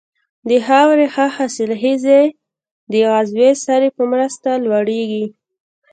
د خاورې ښه حاصلخېزي د عضوي سرې په مرسته لوړیږي.